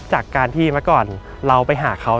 จากการที่เมื่อก่อนเราไปหาเขา